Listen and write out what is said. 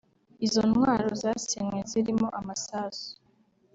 Izo ntwaro zasenywe zirimo amasasu